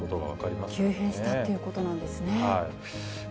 急変したということなんですね。